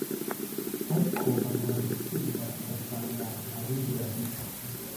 ariko bamara gutsinda ugasanga nta bindi bafite